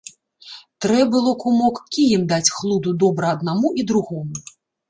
Трэ было, кумок, кіем даць хлуду добра аднаму і другому.